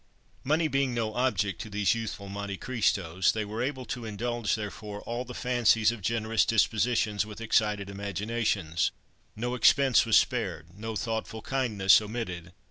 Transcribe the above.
Money being no object to these youthful Monte Christos, they were able to indulge, therefore, all the fancies of generous dispositions, with excited imaginations. No expense was spared; no thoughtful kindness omitted.